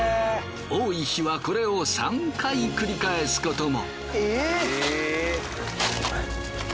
多い日はこれを３回繰り返すことも。